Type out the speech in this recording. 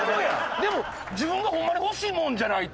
でも自分がホンマに欲しいものじゃないと。